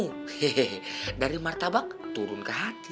hehehe dari martabak turun ke hati